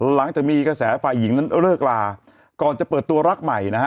หลังจากมีกระแสฝ่ายหญิงนั้นเลิกลาก่อนจะเปิดตัวรักใหม่นะฮะ